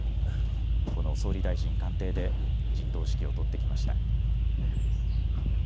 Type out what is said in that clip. この総理大臣官邸で陣頭指揮を執ってきました。